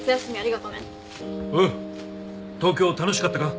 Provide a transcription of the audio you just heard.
東京楽しかったか？